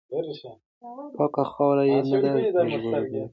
پاکه خاوره یې نه ده وژغورلې.